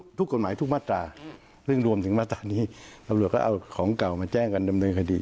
ตามทุกกฎหมายทุกมาตราภาษาเรื่องรวมถึงมาตราในอำรวจออกเอาของเก่ามาแจ้งกันดำเนินคดี